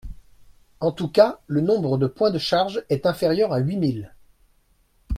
En tout cas, le nombre de points de charges est inférieur à huit mille.